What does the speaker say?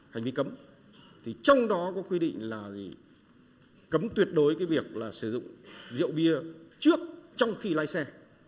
hành vi cấm trong đó có quy định là cấm tuyệt đối việc sử dụng rượu bia trước trong khi lai xe